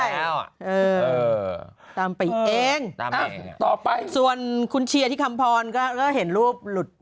เห็นแล้วถามไปอีกเองต่อไปคุณเชียร์ที่คำพรก็เห็นรูปลุหรับ